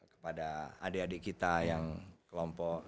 kepada adik adik kita yang kelompok